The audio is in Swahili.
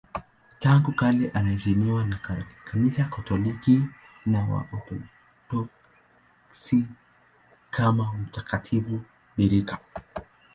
Tangu kale anaheshimiwa na Kanisa Katoliki na Waorthodoksi kama mtakatifu bikira.